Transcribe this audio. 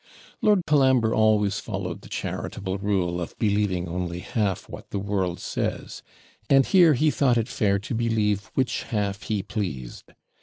Lord Colambre always followed the charitable rule of believing only half what the world says, and here he thought it fair to believe which half he pleased.